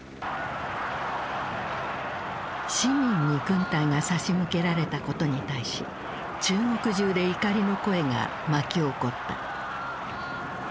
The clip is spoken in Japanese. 市民に軍隊が差し向けられたことに対し中国じゅうで怒りの声が巻き起こった。